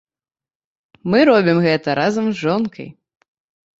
Мы робім гэта разам з жонкай.